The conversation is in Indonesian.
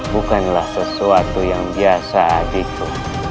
bukanlah sesuatu yang biasa gitu